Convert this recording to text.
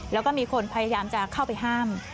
แล้วก็มีคนพยายามจะเข้าไปห้าม